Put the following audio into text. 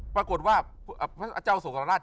ปรากฏว่าพระเจ้าสวัสดิ์ราช